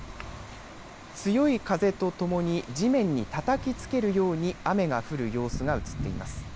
強い風とともに地面に、たたき付けるように雨が降る様子が映っています。